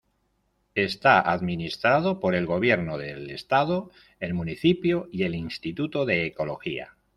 Está administrado por el Gobierno del Estado, el municipio y el Instituto de Ecología.